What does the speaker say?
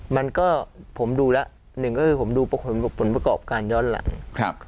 มันก็ผมดูแล้วหนึ่งก็คือผมดูผลประกอบการย้อนหลัง